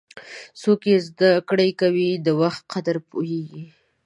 څوک چې زده کړه کوي، د وخت قدر پوهیږي.